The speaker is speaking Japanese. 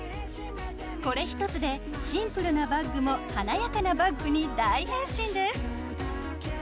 これ１つでシンプルなバッグも華やかなバッグに大変身です！